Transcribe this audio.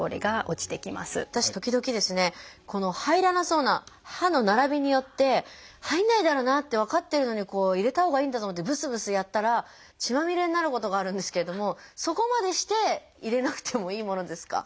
私時々ですね入らなそうな歯の並びによって入んないだろうなって分かってるのに入れたほうがいいんだと思ってぶすぶすやったら血まみれになることがあるんですけれどもそこまでして入れなくてもいいものですか？